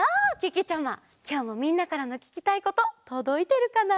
きょうもみんなからのききたいこととどいてるかな？